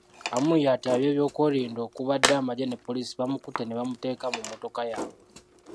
Amuriat ab'ebyokwerinda okubadde amagye ne poliisi bamukutte ne bamuteeka mu mmotoka yaabwe.